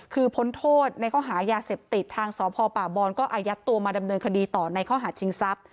คือพ้นโทษในข้อหายาเสพติดทางสพป่าบอลก็อายัดตัวมาดำเนินคดีต่อในข้อหาชิงทรัพย์